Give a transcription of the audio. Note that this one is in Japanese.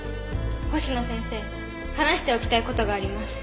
星名先生話しておきたい事があります。